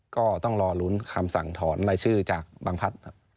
ก็ต้องรอลุ้นคำสั่งถอนรายชื่อจากบางพัฒน์